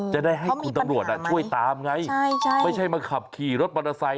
เจอได้ให้คุณตำรวจช่วยตามไงไม่ใช่มาขับขี่รถบรรทะไซค์เขามีปัญหาไหม